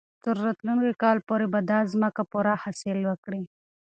تر راتلونکي کال پورې به دا ځمکه پوره حاصل ورکړي.